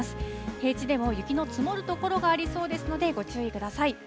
平地でも雪の積もる所がありそうですので、ご注意ください。